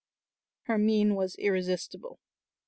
Her mien was irresistible.